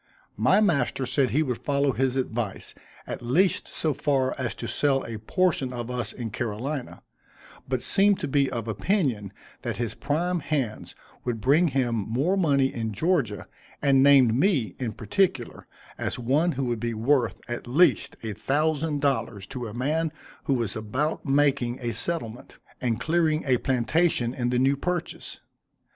My master said he would follow his advice, at least so far as to sell a portion of us in Carolina, but seemed to be of opinion that his prime hands would bring him more money in Georgia, and named me, in particular, as one who would be worth, at least, a thousand dollars, to a man who was about making a settlement, and clearing a plantation in the new purchase.